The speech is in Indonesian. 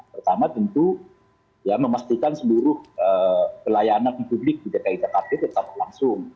pertama tentu memastikan seluruh pelayanan di publik di dki jakarta tetap langsung